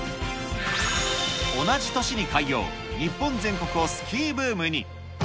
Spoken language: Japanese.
同じ年に開業、日本全国をスキーブームに。